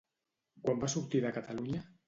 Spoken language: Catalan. Quan va sortir de Catalunya?